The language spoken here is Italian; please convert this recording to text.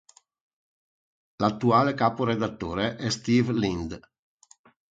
L'attuale capo redattore è Steve Linde.